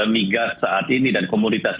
migas saat ini dan komoditas